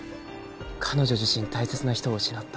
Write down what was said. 彼女自身大切な人を失った。